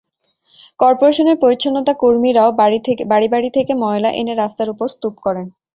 করপোরেশনের পরিচ্ছন্নতাকর্মীরাও বাড়ি বাড়ি থেকে ময়লা এনে রাস্তার ওপর স্তূপ করেন।